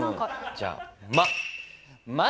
じゃあ「ま」。